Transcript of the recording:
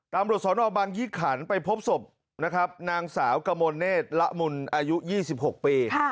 ตำรวจสนบังยี่ขันไปพบศพนะครับนางสาวกมลเนธละมุนอายุ๒๖ปี